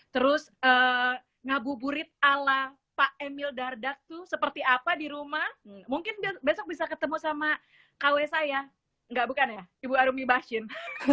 terus ngabuburit ala pak emil dardak tuh seperti apa di rumah mungkin besok bisa ketemu sama kw saya enggak bukan ya ibu arumi bashin